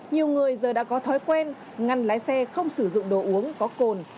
nhiều người giờ đã có thói quen ngăn lái xe không sử dụng đồ uống có cồn